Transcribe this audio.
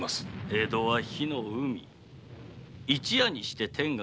江戸は火の海一夜にして天下が覆る。